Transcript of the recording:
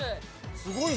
すごいな。